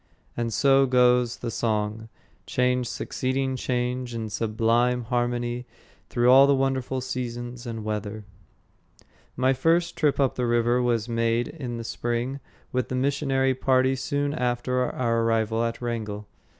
And so goes the song, change succeeding change in sublime harmony through all the wonderful seasons and weather. My first trip up the river was made in the spring with the missionary party soon after our arrival at Wrangell.